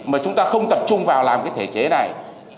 mà chúng ta không tập trung vào làm cái thể chế này